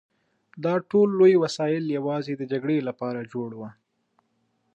دا ټول لوی وسایل یوازې د جګړې لپاره جوړ وو